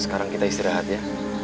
sekarang kita istirahat ya